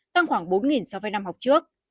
tăng khoảng bốn so với năm học trước